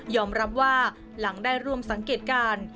รับว่าหลังได้ร่วมสังเกตการณ์